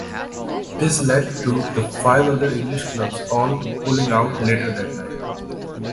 This led to the five other English clubs all pulling out later that night.